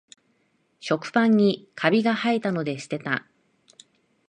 食パンにカビがはえたので捨てた